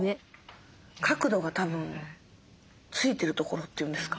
角度がたぶんついてるところって言うんですか？